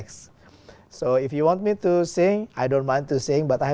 xin chào tất cả mọi người